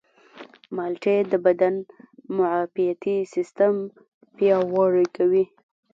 مالټې د بدن معافیتي سیستم پیاوړی کوي.